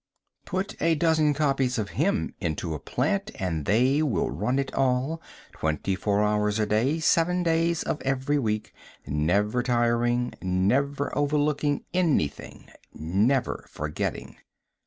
Put a dozen copies of him into a plant and they will run it all, twenty four hours a day, seven days of every week, never tiring, never overlooking anything, never forgetting....